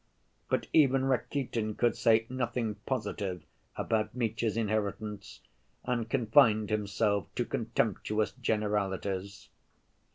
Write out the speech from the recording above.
But even Rakitin could say nothing positive about Mitya's inheritance, and confined himself to contemptuous generalities.